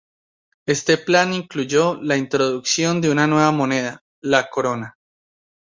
Este plan incluyó la introducción de una nueva moneda, la corona.